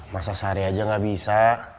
masa sehari aja nggak bisa